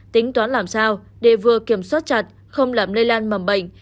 tính toán làm sao để vừa kiểm soát chặt không làm lây lan mầm bệnh